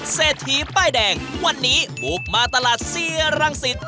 เสถียร์ป้ายแดงวันนี้บุกมาตลาดเสียรังสิทธิ์